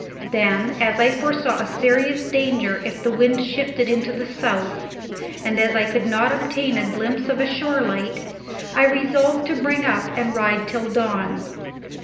Then, as I foresaw a serious danger if the wind shifted into the south, and as I could not obtain a glimpse of a shore light, I resolved to bring up and ride till dawn.